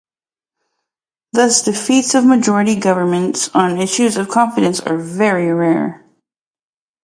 Thus, defeats of majority governments on issues of confidence are very rare.